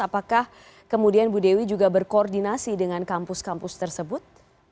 apakah kemudian bu dewi juga berkoordinasi dengan kampus kampus tersebut